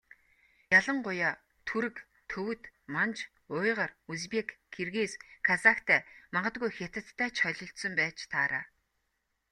Ялангуяа Түрэг, Төвөд, Манж, Уйгар, Узбек, Киргиз, Казахтай магадгүй Хятадтай ч холилдсон байж таараа.